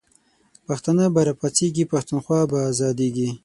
پښتانه به راپاڅیږی، پښتونخوا به آزادیږی